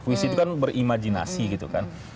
puisi itu kan berimajinasi gitu kan